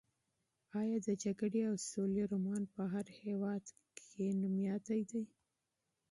ایا د جګړې او سولې رومان په هر هېواد کې مشهور دی؟